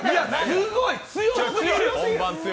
すごい、強すぎる。